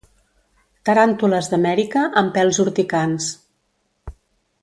Taràntules d'Amèrica amb pèls urticants.